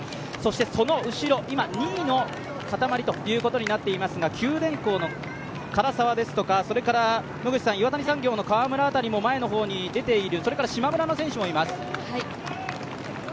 その後ろ、今、２位の固まりとなっていますが九電工の唐沢ですとか岩谷産業の川村も前の方に出ている、しまむらの選手もいます。